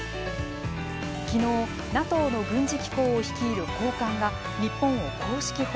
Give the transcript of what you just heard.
きのう、ＮＡＴＯの軍事機構を率いる高官が日本を公式訪問。